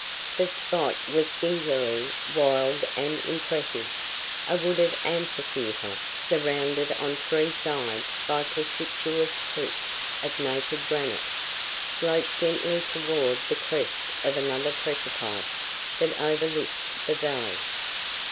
The spot was singularly wild and impressive. A wooded amphitheater, surrounded on three sides by precipitous cliffs of naked granite, sloped gently toward the crest of another precipice that overlooked the valley.